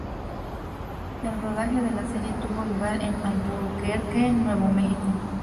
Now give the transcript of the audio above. El rodaje de la serie tuvo lugar en Albuquerque, Nuevo Mexico.